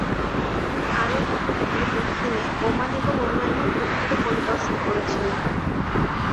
তিনি আরব উপদ্বীপের দক্ষিণে ওমান এবং অন্যান্য ভূখণ্ডও পরিদর্শন করেছেন।